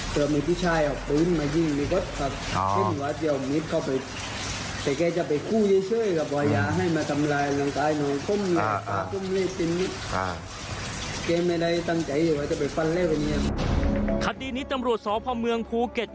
คดีนี้ตำรวจสพเมืองภูเก็ต